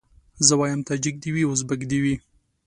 زه وايم تاجک دي وي ازبک دي وي